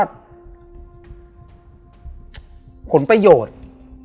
ผลประโยชน์